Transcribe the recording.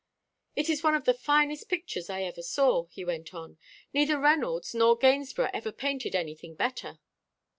"It is one of the finest pictures I ever saw," he went on. "Neither Reynolds nor Gainsborough ever painted anything better."